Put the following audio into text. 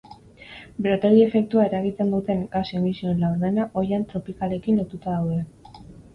Berotegi efektua eragiten duten gas emisioen laurdena ohian tropikalekin lotuta daude.